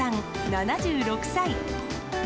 ７６歳。